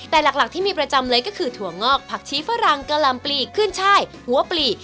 แต่หลักที่มีประจำเลยก็คือถั่วงอกผักชี้ฝรั่งกะลำปลีขึ้นช่ายหัวปลี